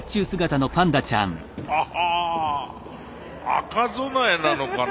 赤備えなのかな？